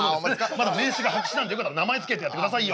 まだ名刺が白紙なんでよかったら名前付けてやってくださいよ。